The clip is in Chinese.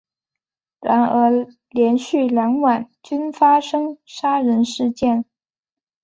然而连续两晚均发生杀人事件。